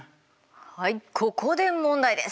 はいここで問題です。